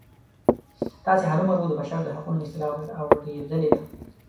تاسې هرومرو د بشر د حقونو اصطلاح اوریدلې ده.